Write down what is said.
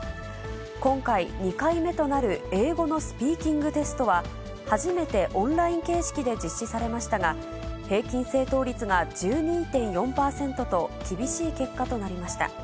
今回、２回目となる英語のスピーキングテストは、初めてオンライン形式で実施されましたが、平均正答率が１２．４％と厳しい結果となりました。